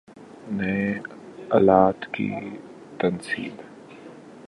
نئے آلات کی تنصیب